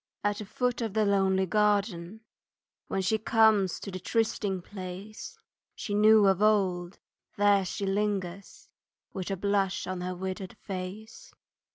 At the foot of the lonely garden, When she comes to the trysting place She knew of old, there she lingers, With a blush on her withered face.